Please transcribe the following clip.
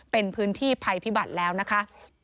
เป็นพื้นที่ภัยพิบัติแล้วนะคะ